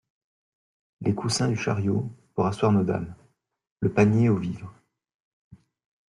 Les coussins du chariot pour asseoir nos dames… le panier aux vivres…